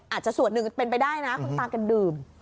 อาจจะส่วนหนึ่งเป็นไปได้นะคุณตากันดื่ม